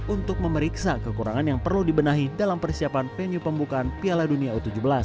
untuk memeriksa kekurangan yang perlu dibenahi dalam persiapan venue pembukaan piala dunia u tujuh belas